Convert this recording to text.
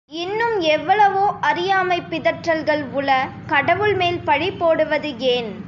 இன்னும் எவ்வளவோ அறியாமைப் பிதற்றல்கள் உள கடவுள் மேல் பழி போடுவது ஏன்?